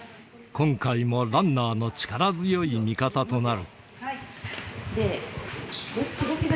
今回もランナーの力強い味方となる。